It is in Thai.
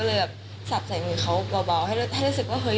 เอิ้นซาสะมือเค้าเบาให้รู้สึกว่าเฮ้ย